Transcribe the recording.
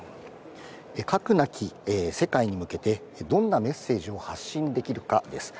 核なき世界に向けてどんなメッセージを発信できるかです。